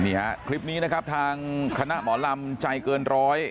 คลิปนี้นะครับทางคณะหมอลำใจเกินร้อย